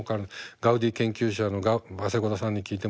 ガウディ研究者のバセゴダさんに聞いても分からない。